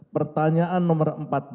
pertanyaan nomor empat belas